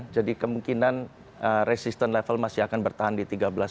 jadi kemungkinan resistance level masih akan bertahan di tiga belas tujuh ratus